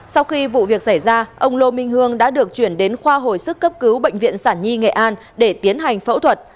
sau khi vụ việc xảy ra ông lô minh hương đã được chuyển đến khoa hồi sức cấp cứu bệnh viện sản nhi nghệ an để tiến hành phẫu thuật